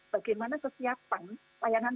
bagaimana kesiapan layanan